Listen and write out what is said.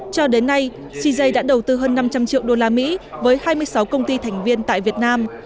cho đến nay cj đã đầu tư hơn năm trăm linh triệu đô la mỹ với hai mươi sáu công ty thành viên tại việt nam